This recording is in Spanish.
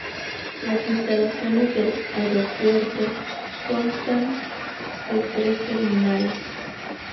Las instalaciones del aeropuerto constan de tres terminales.